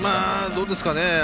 どうですかね